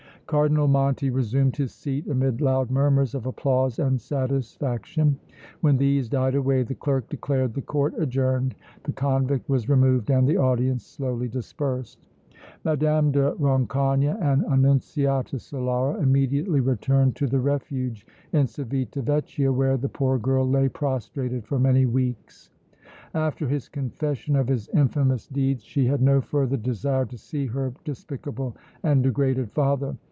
Cardinal Monti resumed his seat amid loud murmurs of applause and satisfaction. When these died away the clerk declared the Court adjourned, the convict was removed and the audience slowly dispersed. Mme. de Rancogne and Annunziata Solara immediately returned to the Refuge in Civita Vecchia, where the poor girl lay prostrated for many weeks. After his confession of his infamous deeds she had no further desire to see her despicable and degraded father.